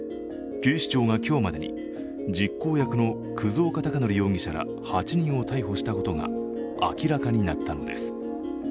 警視庁が今日までに実行役の葛岡隆憲容疑者ら８人を逮捕したことが明らかになったのです。